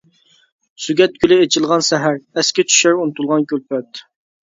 «سۆگەت گۈلى» ئېچىلغان سەھەر، ئەسكە چۈشەر ئۇنتۇلغان كۈلپەت.